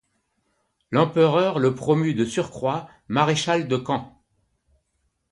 L'empereur le promeut de surcroît maréchal de camp.